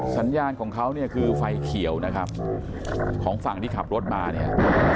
สัญญาณของเขาเนี่ยคือไฟเขียวนะครับของฝั่งที่ขับรถมาเนี่ย